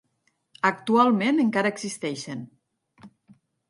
Actualment encara existeixen.